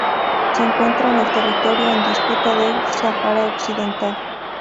Se encuentra en el territorio en disputa del Sáhara Occidental.